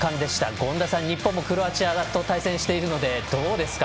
権田さん、日本もクロアチアと対戦しているのでどうですか？